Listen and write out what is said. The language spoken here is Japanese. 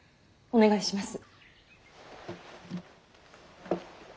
お願いします。